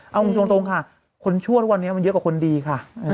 เอาตรงค่ะคนชั่วทุกวันนี้มันเยอะกว่าคนดีค่ะ